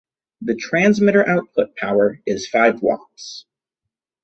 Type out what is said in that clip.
The transmitter output power is five watts.